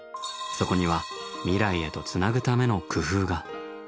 そこには未来へとつなぐための工夫が。